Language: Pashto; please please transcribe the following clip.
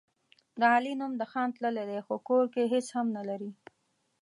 د علي نوم د خان تللی دی، خو کور کې هېڅ هم نه لري.